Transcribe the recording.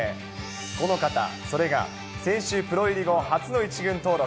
この方、それが先週、プロ入り後初の１軍登録。